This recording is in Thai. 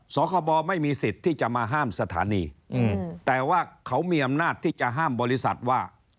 สคบไม่มีสิทธิ์ที่จะมาห้ามสถานีแต่ว่าเขามีอำนาจที่จะห้ามบริษัทว่า